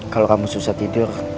kalo kamu susah tidur